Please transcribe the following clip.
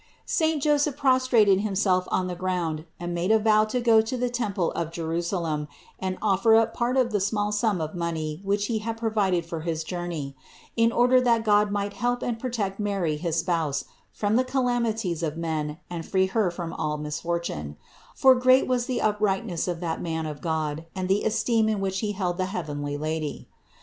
394. Saint Joseph prostrated himself on the ground and made a vow to go to the temple of Jerusalem and offer up a part of the small sum of money which he had provided for his journey, in order that God might help and protect Mary his Spouse from the calamities of men and free Her from all misfortune ; for great was the uprightness of that man of God, and the esteem in 2 22 318 CITY OF GOD which he held the heavenly Lady.